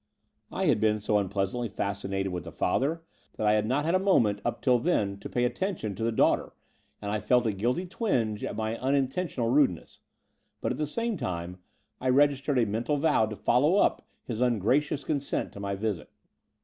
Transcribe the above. I had been so unpleasantly fascinated with the father that I had not had a The Brighton Road 103 moment up till then to pay any attention to the daughter, and I felt a guilty twinge at my un intentional rudeness: but, at the same time, I registered a mental vow to follow up his ungracious consent to my visit.